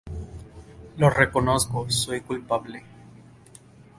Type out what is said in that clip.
Lo reconozco, soy culpable.